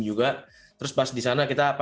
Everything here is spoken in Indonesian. main saja bersenang senang